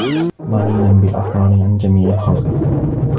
ضَنِينًا بِالْأَسْرَارِ عَنْ جَمِيعِ الْخَلْقِ